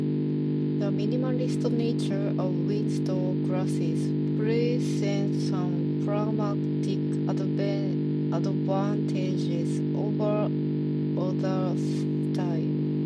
The minimalist nature of Windsor glasses presents some pragmatic advantages over other styles.